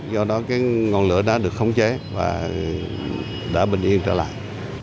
do đó ngọn lửa đã được khống chế và đã bình yên trở lại